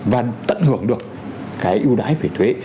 và tận hưởng được cái ưu đãi về thuế